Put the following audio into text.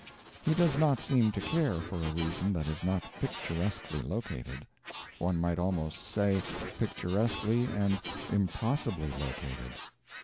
He does not seem to care for a reason that is not picturesquely located; one might almost say picturesquely and impossibly located.